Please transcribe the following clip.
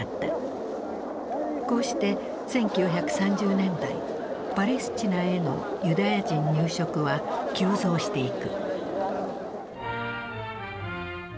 こうして１９３０年代パレスチナへのユダヤ人入植は急増していく。